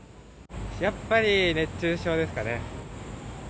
やっぱり熱中症ですかね。